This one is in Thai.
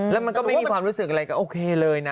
แล้วมันก็ไม่มีความรู้สึกอะไรก็โอเคเลยนะ